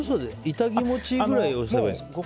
痛気持ちいいくらいでいいですか？